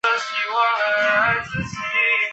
勒蒙塔人口变化图示